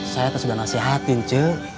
saya tersudah nasihatin cik